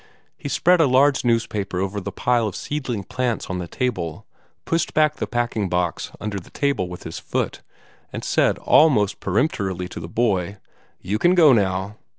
He spread a large newspaper over the pile of seedling plants on the table, pushed the packing box under the table with his foot, and said almost peremptorily to the boy, "You can go now!"